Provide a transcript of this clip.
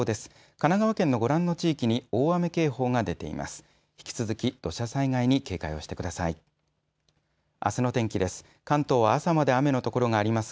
神奈川県のご覧の地域に大雨警報が出ています。